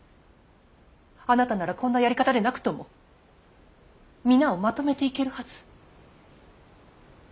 あなたならこんなやり方でなくとも皆をまとめていけるはず。